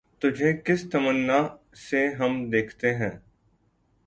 تجھے کس تمنا سے ہم دیکھتے ہیں